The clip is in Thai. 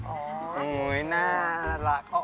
โอ้โหน่ารัก